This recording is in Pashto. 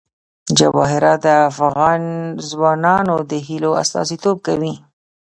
جواهرات د افغان ځوانانو د هیلو استازیتوب کوي.